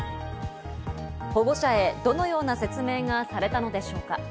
保護者へどのような説明がされたのでしょうか。